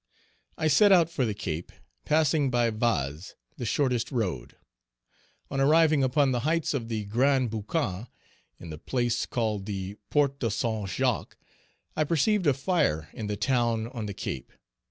I set out for the Cape, passing by Vases, the shortest road. On arriving upon the heights of the Grand Boucan, in the place called the Porte Saint Jacques, I perceived a fire in the town on the Cape.